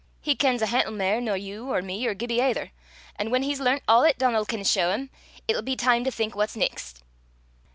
"He kens a hantle mair nor you or me or Gibbie aither; an' whan he's learnt a' 'at Donal can shaw him it'll be time to think what neist."